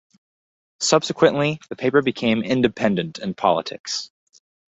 Subsequently, the paper became independent in politics.